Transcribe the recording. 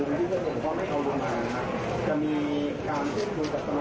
แล้วก็ความที่จะดูเสียงเขาไม่เขารู้มากนะครับ